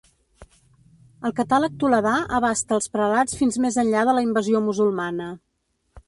El catàleg toledà abasta els prelats fins més enllà de la invasió musulmana.